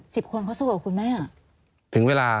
สิบคนเขาสู้กับคุณมั้ยอ่ะ